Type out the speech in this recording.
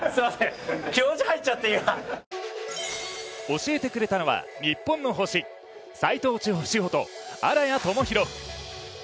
教えてくれたのは日本の星、齋藤志保と荒谷友碩。